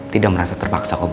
tidak merasa terpaksa kok